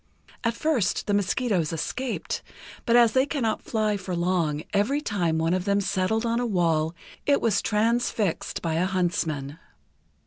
At first the mosquitoes escaped, but, as they cannot fly for long, every time one of them settled on the wall, it was transfixed by a huntsman.